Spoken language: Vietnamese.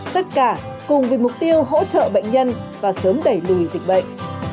tất cả cùng với mục tiêu hỗ trợ bệnh nhân và sớm đẩy lùi dịch bệnh